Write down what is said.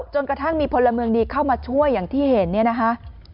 จนกระทั่งมีพลเมืองดีเข้ามาช่วยอย่างที่เห็นเนี่ยนะคะ